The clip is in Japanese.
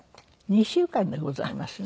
２週間でございますね。